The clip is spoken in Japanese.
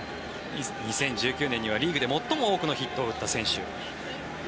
２０１９年ではリーグで最も多くのヒットを放った選手。